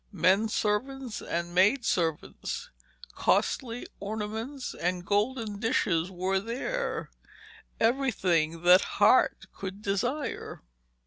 Men servants and maidservants, costly ornaments and golden dishes were there, everything that heart could desire.